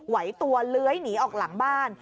ไหวตัวเลื้อยหนีออกหลังบ้าน